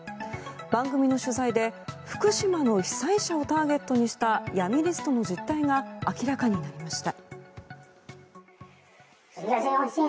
番組の取材で福島の被災者をターゲットにした闇リストの実態が明らかになりました。